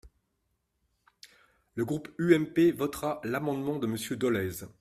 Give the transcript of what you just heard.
Le groupe UMP votera l’amendement de Monsieur Dolez.